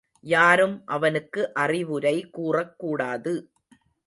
யாரும் அவனுக்கு அறிவுரை கூறக்கூடாது.